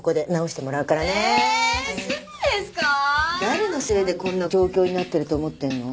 誰のせいでこんな状況になってると思ってんの？